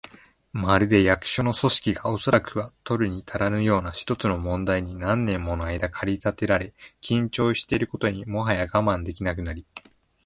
まるで、役所の組織が、おそらくは取るにたらぬような一つの問題に何年ものあいだ駆り立てられ、緊張していることにもはや我慢できなくなり、